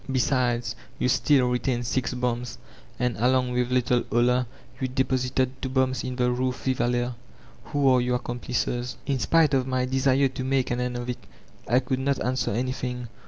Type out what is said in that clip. Besides jrou still retain six bombs, and along with little Thb Ha^t Of Angiolilu) 427 OUer yon deposited two bombs in the Rue Fivaller. Who are your accomplices ?* "In spite of my desire to make an end of it I could not answer anything.